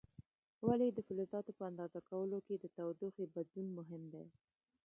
ولې د فلزاتو په اندازه کولو کې د تودوخې بدلون مهم دی؟